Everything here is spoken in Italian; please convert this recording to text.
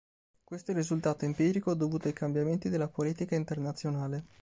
Questo è il risultato empirico dovuto ai cambiamenti della politica internazionale.